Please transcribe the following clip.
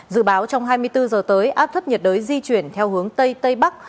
dự báo trong hai mươi bốn giờ tới áp thấp nhiệt đới di chuyển theo hướng tây tây bắc